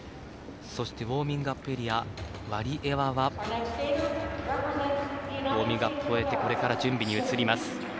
そしてウォーミングアップエリアワリエワはウォームアップを終えてこれから準備に移ります。